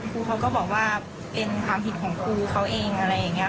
ครูเขาก็บอกว่าเป็นความผิดของครูเขาเองอะไรอย่างนี้